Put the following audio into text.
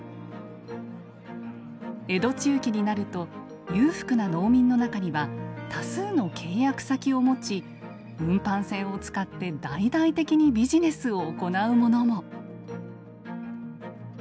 江戸中期になると裕福な農民の中には多数の契約先を持ち運搬船を使って大々的にビジネスを行う者も。